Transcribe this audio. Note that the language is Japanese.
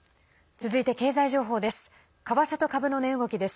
続いて経済情報です。